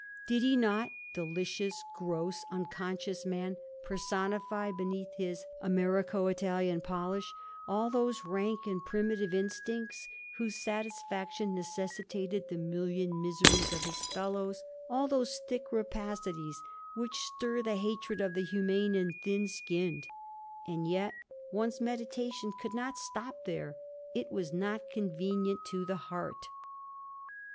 Did he not, delicious, gross, unconscious man, personify beneath his Americo Italian polish all those rank and primitive instincts, whose satisfaction necessitated the million miseries of his fellows; all those thick rapacities which stir the hatred of the humane and thin skinned! And yet, one's meditation could not stop there—it was not convenient to the heart!